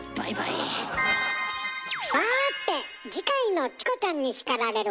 さて次回の「チコちゃんに叱られる！」